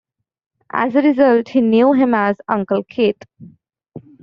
As a result, he knew him as "Uncle Keith".